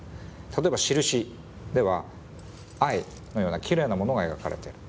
例えば『しるし』では『愛』のようなきれいなものが描かれてる。